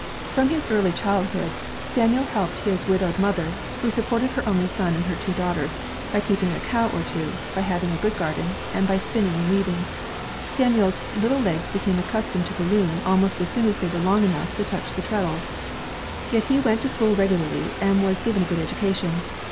From early childhood Samuel helped his widowed SPINNING MACHINES 99 mother, who supported her only son and her two daugh ters by keeping a cow or two, by having a good garden, and by spinning and weaving. Samuel's "little legs be came accustomed to the loom almost as soon as they were long enough to touch the treadles." Yet he went to school regularly, and was given a good education.